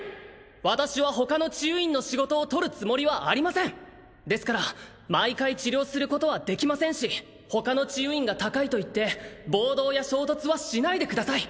私は他の治癒院の仕事を取るつもりはありませんですから毎回治療することはできませんし他の治癒院が高いと言って暴動や衝突はしないでください！